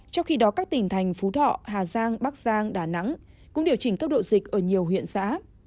trong khi đó các tỉnh thành phú thọ hà giang bắc giang đà nẵng cũng điều chỉnh cấp độ dịch ở nhiều huyện xã